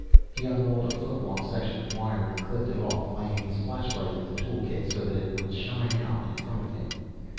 He unrolled a foot long section of wire and clipped it off, laying his flashlight in the tool kit so that it would shine out in front of him.